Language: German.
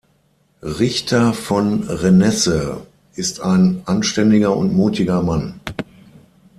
Richter von Renesse ist ein anständiger und mutiger Mann.